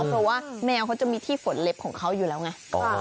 เพราะว่าแมวเขาจะมีที่ฝนเล็บของเขาอยู่แล้วไง